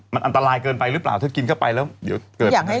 มันอันตรายเกินไปหรือเปล่าถ้าจะกินเข้าไปเดี๋ยวเกิดปัญหาขึ้นมา